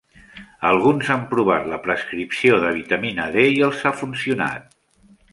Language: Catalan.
Alguns han provat la prescripció de vitamina D i els ha funcionat.